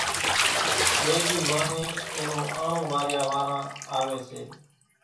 ٻيَ ۮِي وانۿين اين نون آنڻون واريا واران آويَ سي۔